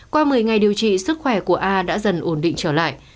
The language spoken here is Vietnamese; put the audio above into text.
qua một mươi ngày điều trị sức khỏe của a đã dần ổn định trở lại